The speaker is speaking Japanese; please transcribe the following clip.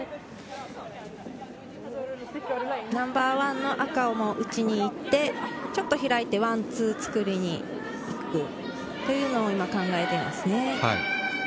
ナンバーワンの赤を打ちに行ってちょっと開いてワンツーを作りに行くというのを考えていますね。